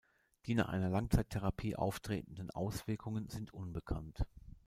Die nach einer Langzeittherapie auftretenden Auswirkungen sind unbekannt.